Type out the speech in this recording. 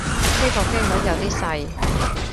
呢個機率有啲細